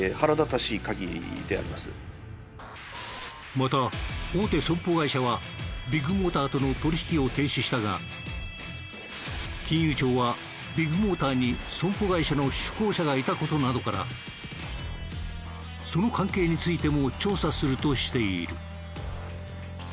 また大手損保会社はビッグモーターとの取引を停止したが金融庁はビッグモーターに損保会社の出向者がいた事などからその関係についても調査するとしている。